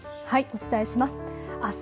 お伝えします。